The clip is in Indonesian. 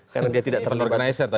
karena dia tidak terlibat